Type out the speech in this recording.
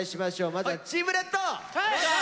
まずはチームレッド！